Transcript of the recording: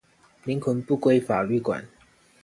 靈魂不歸法律管